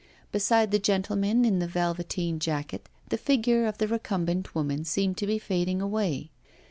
Beside the gentleman in the velveteen jacket the figure of the recumbent woman seemed to be fading away.